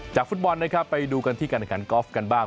ฟุตบอลนะครับไปดูกันที่การแข่งขันกอล์ฟกันบ้าง